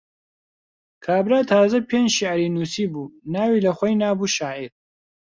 کابرا تازە پێنج شیعری نووسی بوو، ناوی لەخۆی نابوو شاعیر.